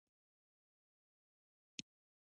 سم سلوک کیږي کنه.